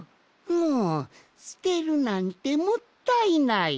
もうすてるなんてもったいない。